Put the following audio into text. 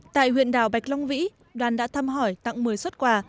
tại huyện đảo bạch long vĩ đoàn đã thăm hỏi tặng một mươi xuất quà